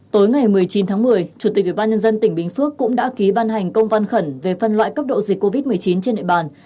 tối ngày một mươi chín tháng một mươi chủ tịch ubnd tỉnh bình phước cũng đã ký ban hành công văn khẩn về phân loại cấp độ dịch covid một mươi chín trên địa bàn